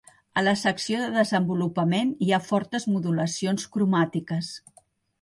A la secció de desenvolupament hi ha fortes modulacions cromàtiques.